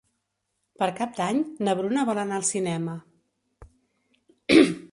Per Cap d'Any na Bruna vol anar al cinema.